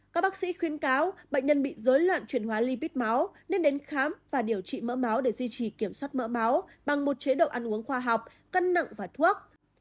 các bác sĩ khuyên cáo bệnh nhân bị dối loạn chuyển hóa lipid máu nên đến khám và điều trị mỡ máu để duy trì kiểm soát mỡ máu bằng một chế độ ăn uống khoa học cân nặng và thuốc